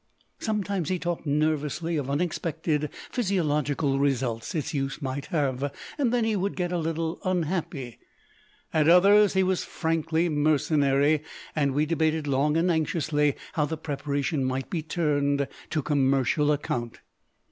Sometimes he talked nervously of unexpected physiological results its use might have, and then he would get a little unhappy; at others he was frankly mercenary, and we debated long and anxiously how the preparation might be turned to commercial account.